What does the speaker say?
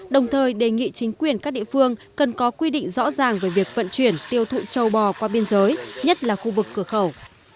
đồng thời đề nghị chính quyền các địa phương cần có quy định rõ ràng về việc vận chuyển tiêu thụ châu bò qua biên giới nhất là khu vực cửa khẩu